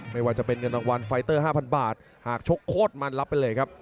ไม่ว่าจะเป็นเงินรางวัลไฟเตอร์๕๐๐บาทหากชกโคตรมันรับไปเลยครับ